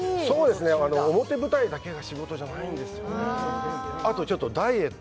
表舞台だけが仕事じゃないんですよね。